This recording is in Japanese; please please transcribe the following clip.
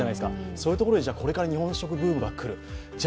そういうところにこれから日本食ブームが来る、じゃ